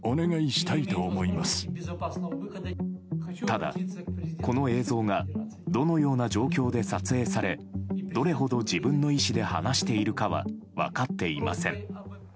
ただ、この映像がどのような状況で撮影されどれほど自分の意思で話しているかは分かっていません。